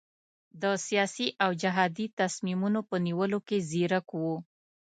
د سیاسي او جهادي تصمیمونو په نیولو کې ځیرک وو.